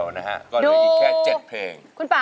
มาฟังอินโทรเพลงที่๑๐